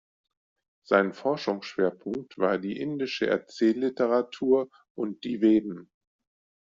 Sein Forschungsschwerpunkt war die indische Erzählliteratur und die Veden.